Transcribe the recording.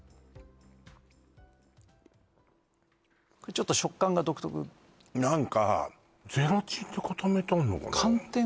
ちょっと食感が独特何かゼラチンで固めてあんのかな？